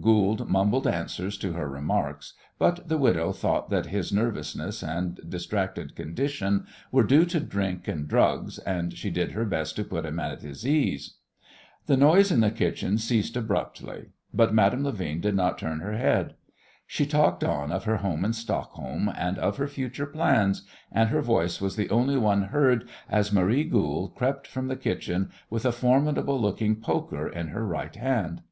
Goold mumbled answers to her remarks, but the widow thought that his nervousness and distracted condition were due to drink and drugs, and she did her best to put him at his ease. The noise in the kitchen ceased abruptly, but Madame Levin did not turn her head. She talked on of her home in Stockholm and of her future plans, and her voice was the only one heard as Marie Goold crept from the kitchen with a formidable looking poker in her right hand.